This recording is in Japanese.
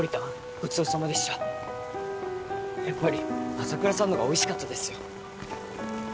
ごちそうさまでしたやっぱり朝倉さんのほうがおいしかったですよ